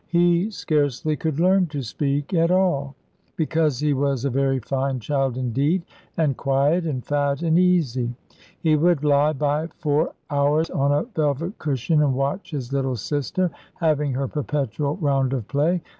He scarcely could learn to speak at all, because he was a very fine child indeed, and quiet, and fat, and easy. He would lie by for hours on a velvet cushion, and watch his little sister having her perpetual round of play.